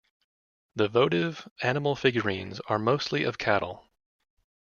The votive animal figurines are mostly of cattle.